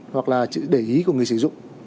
hoặc là chữ để ý của người sử dụng